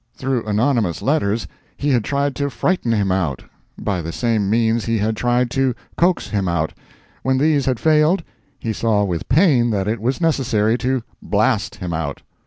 Through anonymous letters he had tried to frighten him out; by the same means he had tried to coax him out; when these had failed, he saw with pain that it was necessary to blast him out.